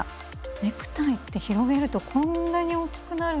ネクタイって広げるとこんなに大きくなるんですね。